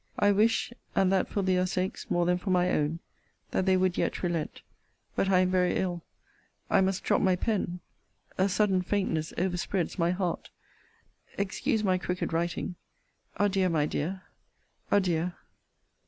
I wish, and that for their sakes more than for my own, that they would yet relent but I am very ill I must drop my pen a sudden faintness overspreads my heart excuse my crooked writing! Adieu, my dear! Adieu!